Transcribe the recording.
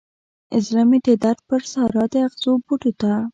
زړه مې د درد پر سارا د اغزو بوټو ته